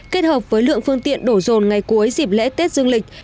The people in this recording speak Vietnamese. kết hợp với lượng phương tiện đổ rồn ngày cuối dịp lễ tết dương lịch